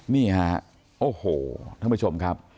นี่ฮะโอ้โหท่านผู้ชมครับ